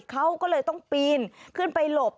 เขาก็เลยต้องปีนขึ้นไปหลบ